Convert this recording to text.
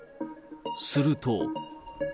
すると。